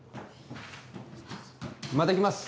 また来ます